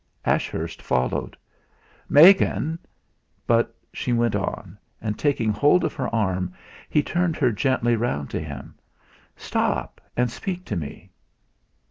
Ashurst followed. "Megan!" But she went on; and taking hold of her arm, he turned her gently round to him. "Stop and speak to me."